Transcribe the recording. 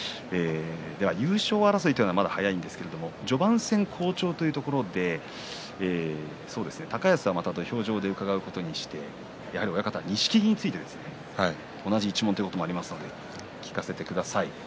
優勝争いはまだ早いんですが、序盤戦好調というところで高安がまた土俵上で伺うことにしてやはり錦木についてですね同じ一門ということもありますので聞かせてください。